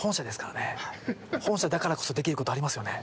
本社だからこそできることありますよね？